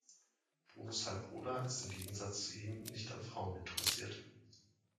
Brunos Halbbruder ist im Gegensatz zu ihm nicht an Frauen interessiert.